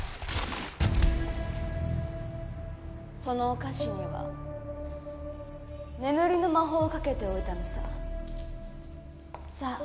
そのお菓子には眠りの魔法をかけておいたのさ。